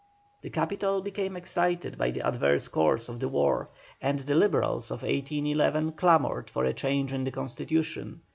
The capital became excited by the adverse course of the war, and the Liberals of 1811 clamoured for a change in the constitution.